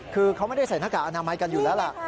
คือเขาไม่ได้ใส่หน้ากากอนามัยกันอยู่แล้วล่ะ